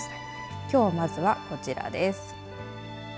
きょう、まずは、こちらです。